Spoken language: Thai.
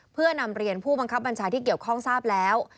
เพื่อนำเรียนผู้บังคับบัญชาที่เกี่ยวข้องทราบแล้ว